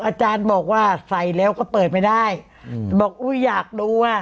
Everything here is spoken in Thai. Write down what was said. อาจารย์บอกว่าใส่แล้วก็เปิดไม่ได้อืมบอกอุ้ยอยากดูอ่ะ